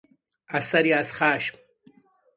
اثری از خشم